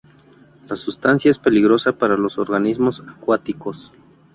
La sustancia es peligrosa para los organismos acuáticos.